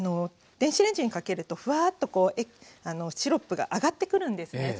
電子レンジにかけるとフワッとこうシロップが上がってくるんですね。